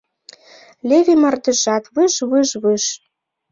Леве мардежат выж-выж-выж